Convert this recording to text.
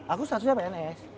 aku statusnya pns